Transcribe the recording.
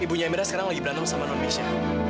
ibunya amirah sekarang lagi berantem sama non mesya